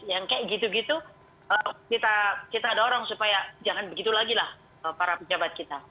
yang kayak gitu gitu kita dorong supaya jangan begitu lagi lah para pejabat kita